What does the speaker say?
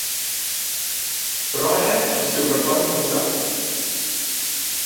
Però ara el seu record madurava.